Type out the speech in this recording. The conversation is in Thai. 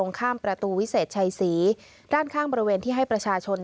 ข้ามประตูวิเศษชัยศรีด้านข้างบริเวณที่ให้ประชาชน